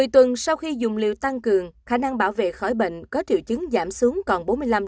một mươi tuần sau khi dùng liệu tăng cường khả năng bảo vệ khỏi bệnh có triệu chứng giảm xuống còn bốn mươi năm